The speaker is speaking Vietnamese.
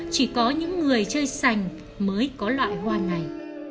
chỉ có những người chơi sành mới có loại hoa này